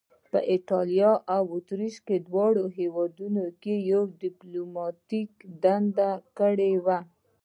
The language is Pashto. په ایټالیا او اتریش دواړو هیوادونو کې یې دیپلوماتیکې دندې کړې وې.